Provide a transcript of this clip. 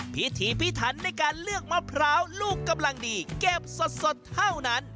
พิธีพิถันในการเลือกมะพร้าวลูกกำลังดีเก็บสดเท่านั้น